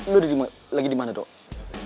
lo lagi dimana dok